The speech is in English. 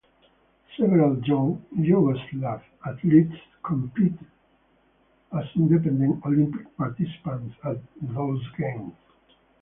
Several Yugoslav athletes competed as Independent Olympic Participants at those Games.